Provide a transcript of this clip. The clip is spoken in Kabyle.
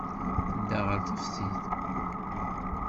Tedda ɣer teftist.